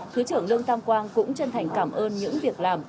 thứ trưởng lương tam quang cũng chân thành cảm ơn những việc làm